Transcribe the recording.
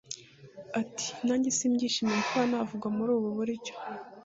Ati “Nanjye simbyishimiye kuba navugwa muri ubu buryo